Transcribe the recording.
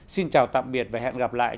xin chào tạm biệt và hẹn gặp lại